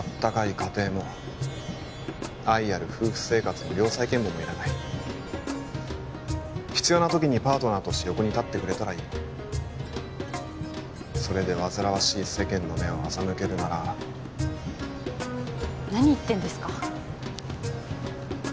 家庭も愛ある夫婦生活も良妻賢母もいらない必要な時にパートナーとして横に立ってくれたらいいそれで煩わしい世間の目を欺けるなら何言ってんですか？